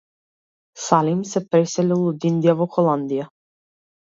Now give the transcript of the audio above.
Салим се преселил од Индија во Холандија.